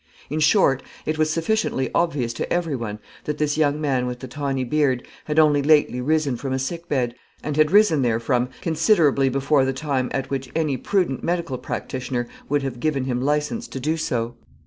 In short, it was sufficiently obvious to every one that this young man with the tawny beard had only lately risen from a sick bed, and had risen therefrom considerably before the time at which any prudent medical practitioner would have given him licence to do so.